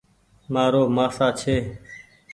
مآرو مآسآ ڇي ۔